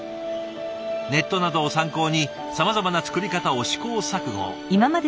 ネットなどを参考にさまざまな作り方を試行錯誤。